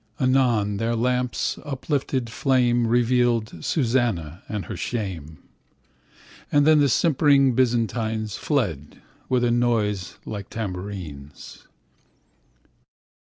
Anon, their lamps' uplifted flameRevealed Susanna and her shame. And then the simpering Byzantines, Fled, with a noise like tambourines.